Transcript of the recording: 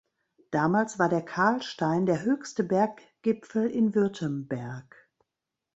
Damals war der Karlstein der höchste Berggipfel in Württemberg.